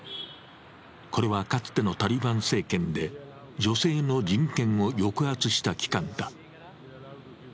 これは、かつてのタリバン政権で女性の人権を抑圧した機関だ。